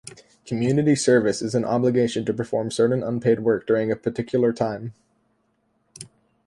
Community service is an obligation to perform certain unpaid work during a particular time.